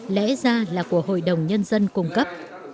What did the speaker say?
lẽ ra là của hội đồng nhân dân cung cấp